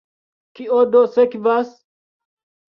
Kio do sekvas?